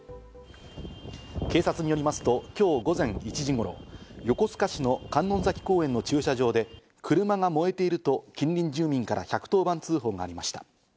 警察によりますと今日午前１時頃、横須賀市の観音崎公園の駐車場で車が燃えていると近隣住民から１１０番通報がありました。